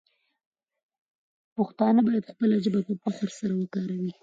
پښتانه باید خپله ژبه په فخر سره وکاروي.